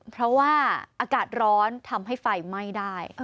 เพราะว่าอากาศร้อนทำให้ไฟไหม้ได้